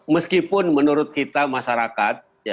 meskipun menurut kita masyarakat